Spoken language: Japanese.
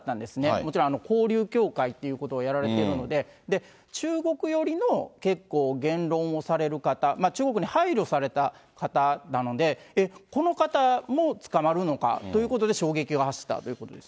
もちろん、交流協会ということをやられていたので、中国寄りの結構言論をされる方、中国に配慮された方なので、この方も捕まるのかということで、衝撃が走ったということです。